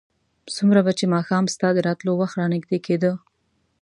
څومره به چې ماښام ستا د راتلو وخت رانږدې کېده.